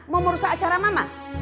mau merusak acara mama